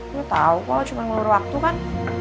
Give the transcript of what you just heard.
lo tau kalau cuma ngeluruh waktu kan